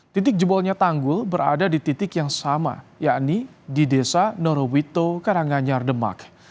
titik jebolnya tanggul berada di titik yang sama yakni di desa norowito karanganyar demak